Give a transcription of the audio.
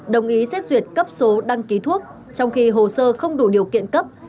đồng ý xét duyệt cấp số đăng ký thuốc trong khi hồ sơ không đủ điều kiện cấp